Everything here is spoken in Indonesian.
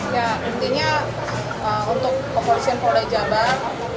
ya intinya untuk kepolisian polda jabar